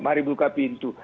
mari buka pintu